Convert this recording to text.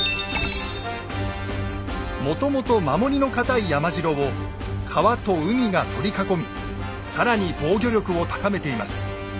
もともと守りの堅い山城を川と海が取り囲み更に防御力を高めています。